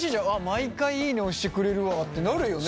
毎回いいね押してくれるわってなるよね？